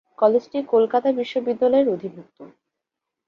কলেজটি কলকাতা বিশ্ববিদ্যালয়-এর অধিভুক্ত।